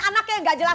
anaknya yang gak jelas